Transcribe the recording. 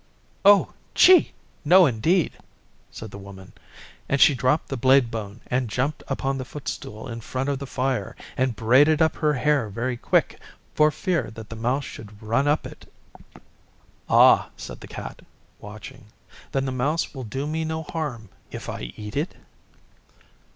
'Ouh! Chee! No indeed!' said the Woman, and she dropped the blade bone and jumped upon the footstool in front of the fire and braided up her hair very quick for fear that the mouse should run up it. 'Ah,' said the Cat, watching, 'then the mouse will do me no harm if I eat it?